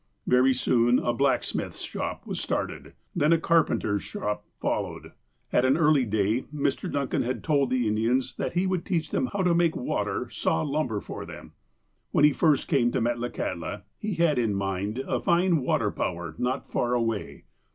Very soon a blacksmith's shop was started, then a car penter's shop followed. At an early day Mr. Duncan had told the Indians that he would teach them how to make water saw lumber for them. "When he first came to Metlakahtla, he had in mind a fine water power not far away.